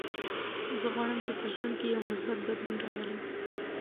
زه غواړم چې په ژوند کې یو مثبت بدلون راولم.